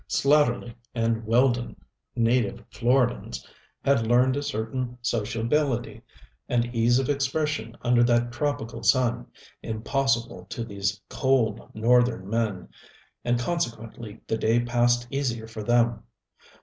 Slatterly and Weldon, native Floridans, had learned a certain sociability and ease of expression under that tropical sun, impossible to these cold, northern men; and consequently the day passed easier for them.